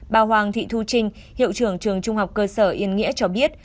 bà hoàng thị thu trinh hiệu trưởng trường trung học cơ sở yên nghĩa cho biết